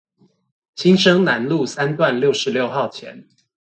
新生南路三段六六號前